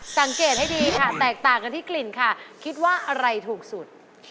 สังเกตให้ดีค่ะแตกต่างกันที่กลิ่นค่ะคิดว่าอะไรถูกสุด